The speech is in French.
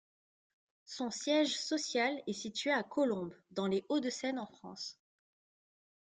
Son siège social est situé à Colombes, dans les Hauts-de-Seine en France.